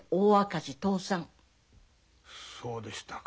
そうでしたか。